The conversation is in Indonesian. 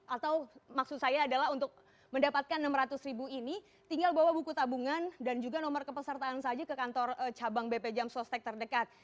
atau maksud saya adalah untuk mendapatkan enam ratus ribu ini tinggal bawa buku tabungan dan juga nomor kepesertaan saja ke kantor cabang bp jam sostek terdekat